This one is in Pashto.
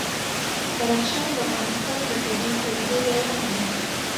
بدخشان د افغانستان د طبیعي پدیدو یو رنګ دی.